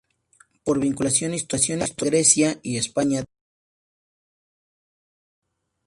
Por vinculación histórica, Grecia y España, tienen una relación en común.